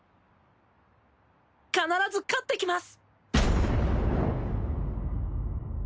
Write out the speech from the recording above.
必ず勝ってきます！